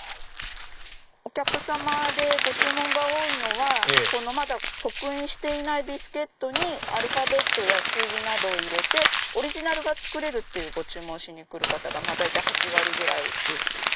お客さまでご注文が多いのはまだ刻印していないビスケットにアルファベットや数字などを入れてオリジナルが作れるっていうご注文をしに来る方が大体８割ぐらいです。